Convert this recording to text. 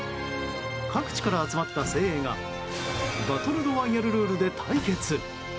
各地から集まった精鋭がバトルロワイヤルルールで対決。